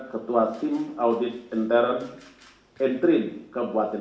ketua tim audit enter entry kabupaten